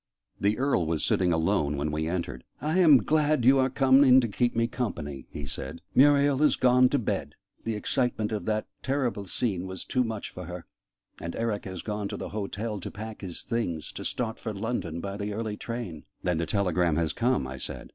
The Earl was sitting alone when we entered. "I am glad you are come in to keep me company," he said. "Muriel is gone to bed the excitement of that terrible scene was too much for her and Eric has gone to the hotel to pack his things, to start for London by the early train." "Then the telegram has come?" I said.